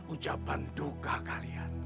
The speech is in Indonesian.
ucapan duka kalian